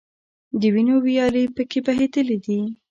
د وینو ویالې په کې بهیدلي دي.